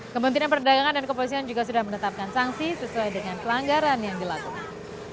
kementerian perdagangan dan kepolisian juga sudah menetapkan sanksi sesuai dengan pelanggaran yang dilakukan